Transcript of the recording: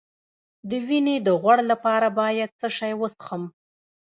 د وینې د غوړ لپاره باید څه شی وڅښم؟